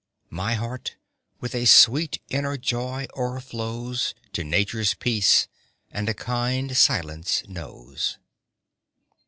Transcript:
My heart with a sweet inner joy o'erflows To nature's peace, and a kind silence knows.